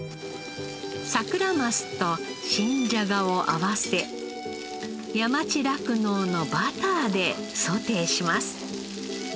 サクラマスと新じゃがを合わせ山地酪農のバターでソテーします。